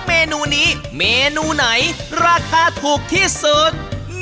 เมนูนี้เมนูไหนราคาถูกที่สุด